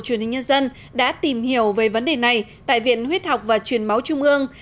truyền hình nhân dân đã tìm hiểu về vấn đề này tại viện huyết học và truyền máu trung ương